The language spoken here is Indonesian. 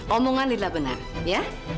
omongan lila benar ya